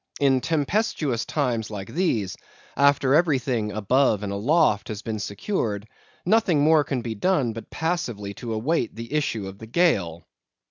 In tempestuous times like these, after everything above and aloft has been secured, nothing more can be done but passively to await the issue of the gale.